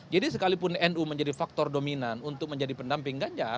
jadi sekalipun nu menjadi faktor dominan untuk menjadi pendekat dan pilih yang lebih baik